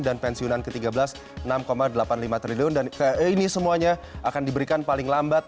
dan pensiunan ke tiga belas enam delapan puluh lima triliun dan kayak ini semuanya akan diberikan paling lambat